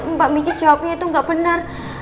mbak michi jawabnya itu gak benar